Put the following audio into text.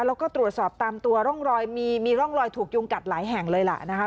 แล้วก็ตรวจสอบตามตัวร่องรอยมีร่องรอยถูกยุงกัดหลายแห่งเลยล่ะนะคะ